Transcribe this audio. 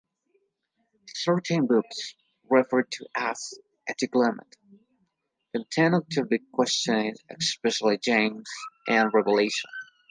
Certain books, referred to as Antilegomena, continued to be questioned, especially James and Revelation.